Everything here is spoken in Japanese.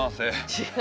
違う！